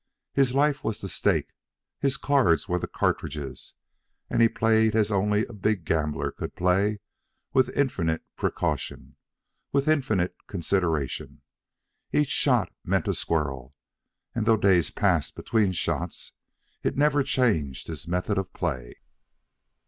His life was the stake, his cards were the cartridges, and he played as only a big gambler could play, with infinite precaution, with infinite consideration. Each shot meant a squirrel, and though days elapsed between shots, it never changed his method of play.